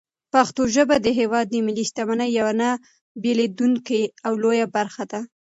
پښتو ژبه د هېواد د ملي شتمنۍ یوه نه بېلېدونکې او لویه برخه ده.